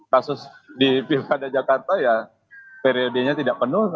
kasus di pilkada jakarta ya periodenya tidak penuh